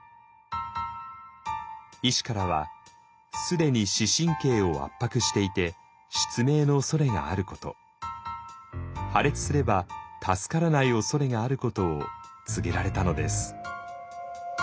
医師からは既に視神経を圧迫していて失明のおそれがあること破裂すれば助からないおそれがあることを告げられたのです。